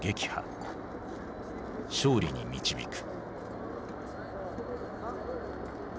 勝利に導く。